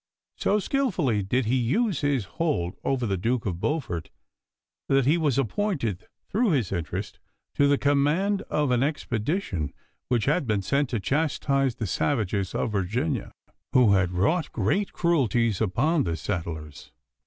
So skilfully did he use his hold over the Duke of Beaufort, that he was appointed through his interest to the command of an expedition which had been sent to chastise the savages of Virginia, who had wrought great cruelties upon the settlers.